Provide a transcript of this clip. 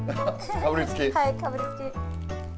はい、かぶりつき。